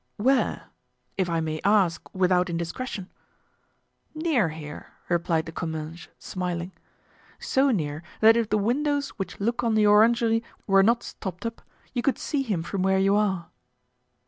"Where? if I may ask without indiscretion." "Near here," replied De Comminges, smiling; "so near that if the windows which look on the orangery were not stopped up you could see him from where you are."